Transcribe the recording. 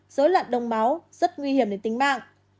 dối loạn đông máu rất nguy hiểm đến tính mạng